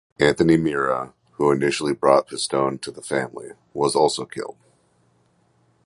Anthony Mirra, who initially brought Pistone to the family, was also killed.